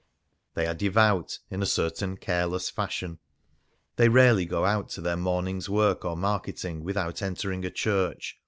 They are devout, in a certain careless fashion ; they rarely go out to their morning's work or marketing without entering a church.